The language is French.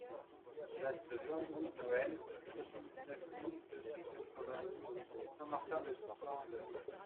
Place Jean Louis Noel, soixante-dix-neuf mille deux cent quatre-vingt-dix Saint-Martin-de-Sanzay